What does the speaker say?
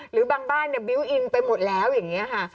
หรือบางบ้านเนี่ยบิวตอินไปหมดแล้วอย่างนี้ค่ะ